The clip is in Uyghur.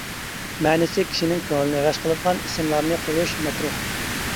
مەنىسى كىشىنىڭ كۆڭلىنى غەش قىلىدىغان ئىسىملارنى قويۇش مەكرۇھ.